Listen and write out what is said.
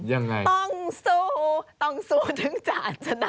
ยังไงต้องสู้ต้องสู้ถึงจะชนะ